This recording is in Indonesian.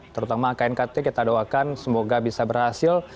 terutama knkt kita doakan semoga bisa berhasil